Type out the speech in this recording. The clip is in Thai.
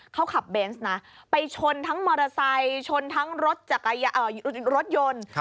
เขาขับเบนส์นะไปชนทั้งมอเตอร์ไซค์ชนทั้งรถยนต์